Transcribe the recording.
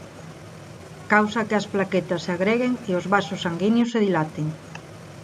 Causa que as plaquetas se agreguen e os vasos sanguíneos se dilaten.